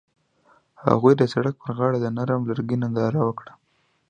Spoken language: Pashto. هغوی د سړک پر غاړه د نرم لرګی ننداره وکړه.